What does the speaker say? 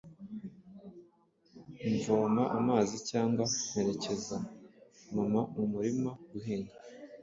mvoma amazi cyangwa mperekeza mama mu murima guhinga.